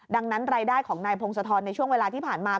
ดังนั้นรายได้ของนายพงศธรในช่วงเวลาที่ผ่านมา